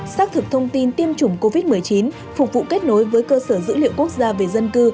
xác thực thông tin tiêm chủng covid một mươi chín phục vụ kết nối với cơ sở dữ liệu quốc gia về dân cư